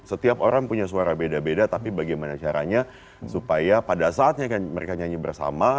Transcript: setiap orang punya suara beda beda tapi bagaimana caranya supaya pada saatnya mereka nyanyi bersama